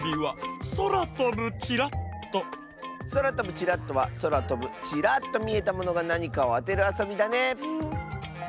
「そらとぶチラッと」はそらとぶチラッとみえたものがなにかをあてるあそびだねえ。